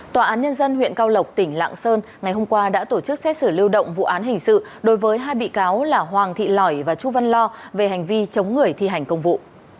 tòa án nhân dân huyện cao lộc tỉnh lạng sơn ngày hôm qua đã tổ chức xét xử lưu động vụ án hình sự đối với hai bị cáo là hoàng thị lỏi và chu văn lo về hành vi chống người thi hành công vụ